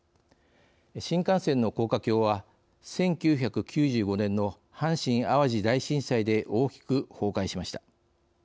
新幹線の高架橋は１９９５年の阪神・淡路大震災で大きく崩壊しました。